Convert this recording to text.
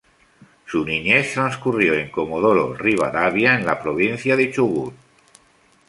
Su niñez transcurrió en Comodoro Rivadavia en la provincia de Chubut.